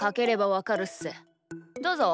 どうぞ。